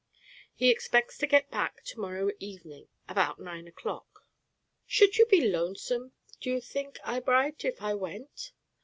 He expects to get back to morrow evening about nine o'clock. Should you be lonesome, do you think, Eyebright, if I went?"